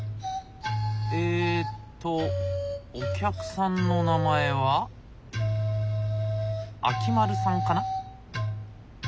えっとお客さんの名前は秋丸さんかな？